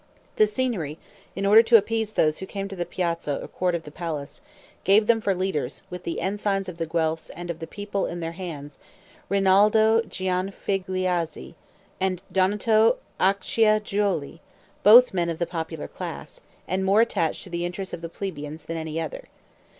The Signory, in order to appease those who came to the piazza or court of the palace, gave them for leaders, with the ensigns of the Guelphs and of the people in their hands, Rinaldo Gianfigliazzi, and Donato Acciajuoli, both men of the popular class, and more attached to the interests of the plebeians than any other.